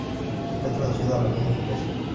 Fue traducido a la lengua inglesa.